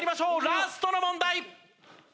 ラストの問題！